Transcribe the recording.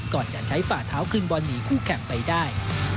ก่อนจะใช้ฝ่าเท้าครึ่งบอลหนีคู่แข่งไปได้